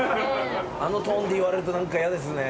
あのトーンで言われると何か嫌ですね。